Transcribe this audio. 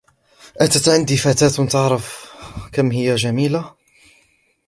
آتت عندي فتاة تعرف كم هي جميلة؟